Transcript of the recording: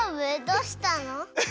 どうしたの？